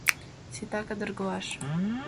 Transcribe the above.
Сита кадыргылаш!